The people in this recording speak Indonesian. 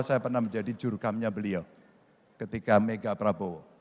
saya pernah menjadi jurkamnya beliau ketika mega prabowo